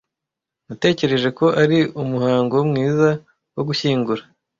Natekereje ko ari umuhango mwiza wo gushyingura.